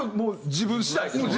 自分次第です。